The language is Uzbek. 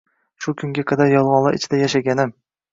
Shu kunga qadar yolg`onlar ichida yashaganim